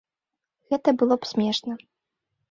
Гэта было б смешна.